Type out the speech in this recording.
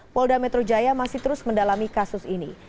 polda metro jaya masih terus mendalami kasus ini